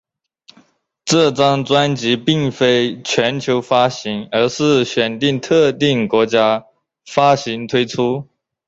这张专辑并非全球发行而是选定特定国家发行推出。